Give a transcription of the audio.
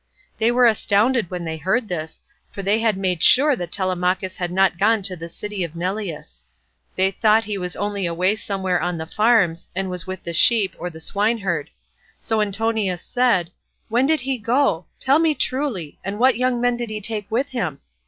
They were astounded when they heard this, for they had made sure that Telemachus had not gone to the city of Neleus. They thought he was only away somewhere on the farms, and was with the sheep, or with the swineherd; so Antinous said, "When did he go? Tell me truly, and what young men did he take with him?